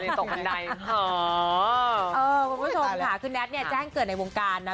คุณผู้ชมค่ะคือแท็ตเนี่ยแจ้งเกิดในวงการนะ